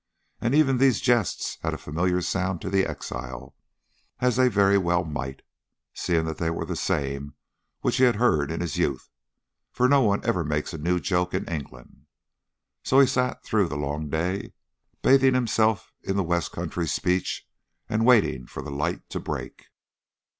And even these jests had a familiar sound to the exile, as they very well might, seeing that they were the same which he had heard in his youth, for no one ever makes a new joke in England. So he sat through the long day, bathing himself in the west country speech, and waiting for the light to break.